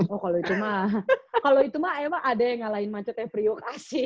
oh kalo itu mah kalo itu mah emang ada yang ngalahin macet ya periuk asik